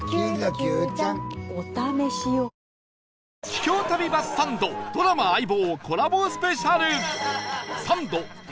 秘境旅バスサンドドラマ『相棒』コラボスペシャル